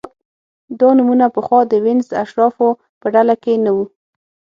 دا نومونه پخوا د وینز د اشرافو په ډله کې نه وو